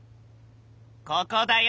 ここだよ